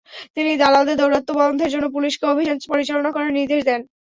তিনি দালালদের দৌরাত্ম্য বন্ধের জন্য পুলিশকে অভিযান পরিচালনা করার নির্দেশ দেন।